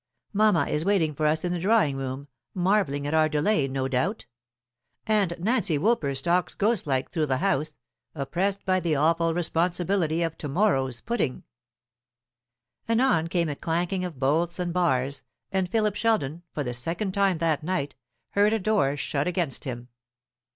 Mamma is waiting for us in the drawing room, marvelling at our delay, no doubt. And Nancy Woolper stalks ghost like through the house, oppressed by the awful responsibility of to morrow's pudding." Anon came a clanking of bolts and bars; and Philip Sheldon, for the second time that night, heard a door shut against him.